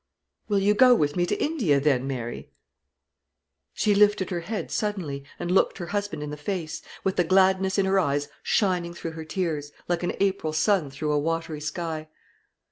"Will you go with me to India, then, Mary?" She lifted her head suddenly, and looked her husband in the face, with the gladness in her eyes shining through her tears, like an April sun through a watery sky.